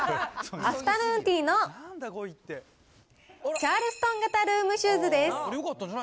アフタヌーンティーのチャールストン型ルームシューズです。